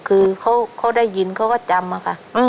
คือเขาได้ยินเขาก็จำอะค่ะ